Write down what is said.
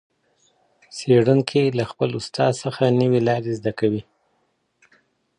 څېړونکی له خپل استاد څخه نوې لاري زده کوي.